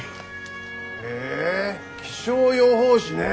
へえ気象予報士ねえ！